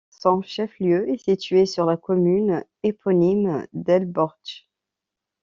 Son chef-lieu est situé sur la commune éponyme d'El Bordj.